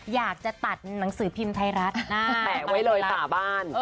อยากจะตัดหนังสือพิมพ์ไทยรัฐหน้าแปะไว้เลยฝาบ้าน